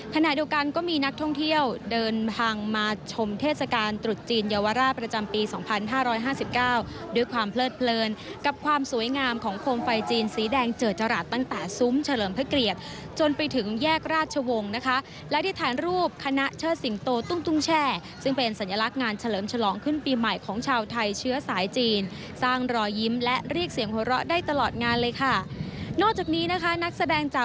ขณะเดียวกันก็มีนักท่องเที่ยวเดินทางมาชมเทศกาลตรุษจีนเยาวราชประจำปีสองพันห้าร้อยห้าสิบเก้าด้วยความเพลิดเพลินกับความสวยงามของโคมไฟจีนสีแดงเจอจราตรตั้งแต่ซุ้มเฉลิมเผื่อเกลียดจนไปถึงแยกราชวงศ์นะคะและที่ถ่านรูปคณะเชิดสิงโตตุ้งตุ้งแช่ซึ่งเป็นสัญลักษณ์ง